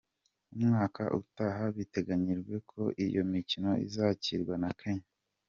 Umwaka utaha biteganyijwe ko iyo mikino izakirwa na Kenya.